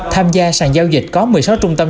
tham gia sàn giao dịch có một mươi sáu trung tâm